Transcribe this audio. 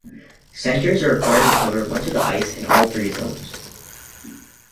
Centres are required to cover much of the ice in all three zones.